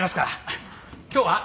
今日は？